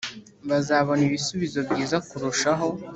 bazabona ibisubizo byiza kurushaho.